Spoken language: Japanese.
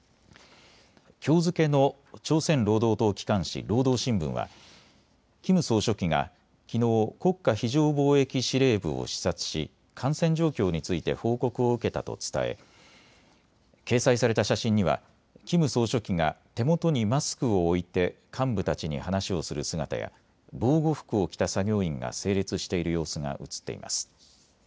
きょう付けの朝鮮労働党機関紙、労働新聞はキム総書記がきのう、国家非常防疫司令部を視察し感染状況について報告を受けたと伝え掲載された写真にはキム総書記が手元にマスクを置いて幹部たちに話をする姿や防護服を着た作業員が整列している様子が写っています。